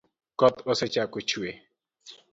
Koth osechako chue